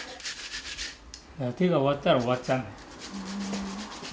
手が終わったら終わっちゃうんだ